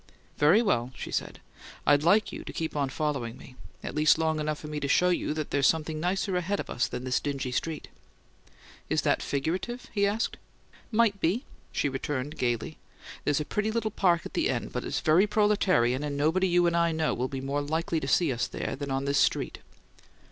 "Very well," she said. "I'd like you to keep on following me at least long enough for me to show you that there's something nicer ahead of us than this dingy street." "Is that figurative?" he asked. "Might be!" she returned, gaily. "There's a pretty little park at the end, but it's very proletarian, and nobody you and I know will be more likely to see us there than on this street."